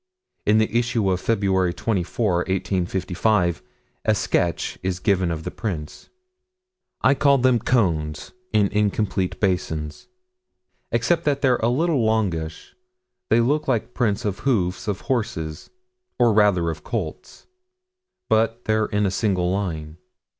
In the issue of Feb. 24, 1855, a sketch is given of the prints. I call them cones in incomplete basins. Except that they're a little longish, they look like prints of hoofs of horses or, rather, of colts. But they're in a single line.